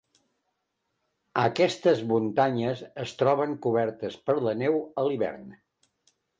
Aquestes muntanyes es troben cobertes per la neu a l'hivern.